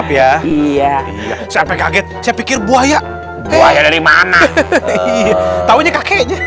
ya iya siapa kaget cpk buaya buaya dari mana